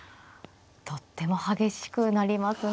とっても激しくなりますね。